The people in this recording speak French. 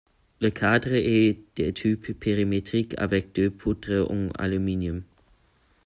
Le cadre est de type périmétrique avec deux poutres en aluminium.